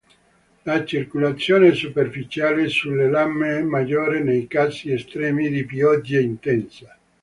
La circolazione superficiale sulle lame è maggiore nei casi estremi di pioggia intensa.